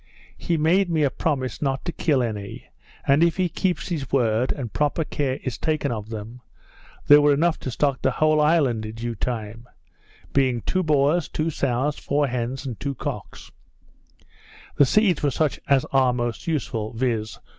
He made me a promise not to kill any; and if he keeps his word, and proper care is taken of them, there were enough to stock the whole island in due time; being two boars, two sows, four hens, and two cocks; The seeds were such as are most useful (viz.)